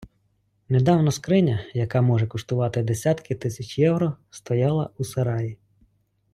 Недавно скриня, яка може коштувати десятки тисяч євро, стояла у сараї.